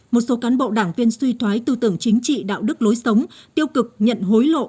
một số cán bộ đảng viên suy thoái tư tưởng chính trị đạo đức lối sống tiêu cực nhận hối lộ